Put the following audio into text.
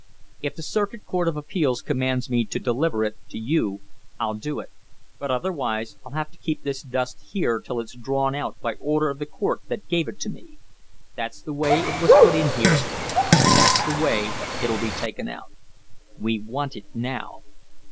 If the Circuit Court of Appeals commands me to deliver it to you I'll do it, but otherwise I'll have to keep this dust here till it's drawn out by order of the court that gave it to me. That's the way it was put in here, and that's the way it'll be taken out." "We want it now."